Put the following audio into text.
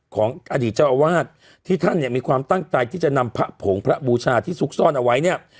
ของอดีตเจ้าอาวาสที่ท่านเนี่ยมีความตั้งใจที่จะนำพระผงพระบูชาที่ซุกซ่อนเอาไว้เนี่ย